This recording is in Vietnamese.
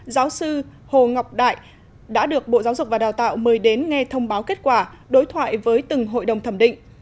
giáo sư hồ ngọc đại đã được bộ giáo dục và đào tạo mời đến nghe thông báo kết quả đối thoại với từng hội đồng thẩm định